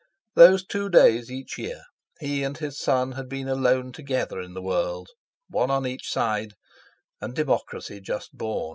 Those two days each year he and his son had been alone together in the world, one on each side—and Democracy just born!